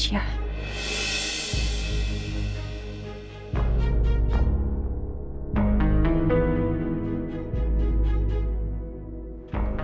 sebaiknya gue hubungkan nino